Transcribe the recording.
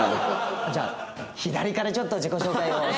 じゃあ左からちょっと自己紹介をさせて頂きます。